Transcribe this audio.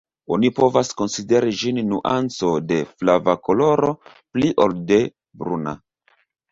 Oni povas konsideri ĝin nuanco de flava koloro pli ol de bruna.